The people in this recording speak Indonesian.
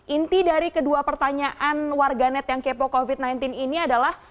inti dari kedua pertanyaan warganet yang kepo covid sembilan belas ini adalah